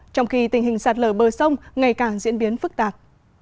trong khi tình hình sạt lở bờ sông ngày càng diễn biến phức tạp